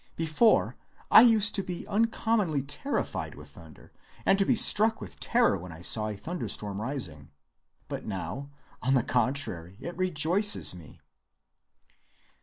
Before, I used to be uncommonly terrified with thunder, and to be struck with terror when I saw a thunderstorm rising; but now, on the contrary, it rejoices me."